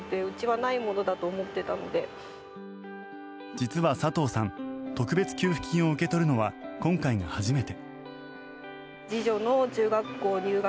実は、佐藤さん特別給付金を受け取るのは今回が初めて。